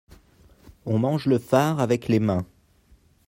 on mange le far avec les mains.